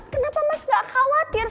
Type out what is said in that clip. kenapa mas gak khawatir